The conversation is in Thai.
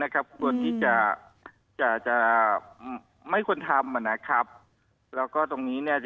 ต้นที่จะไม่ควรทำ